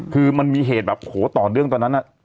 คือมันมีเหตุแบบโอ้โฮต่อเรื่องตอนนั้นน่ะ